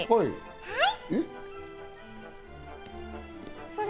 はい！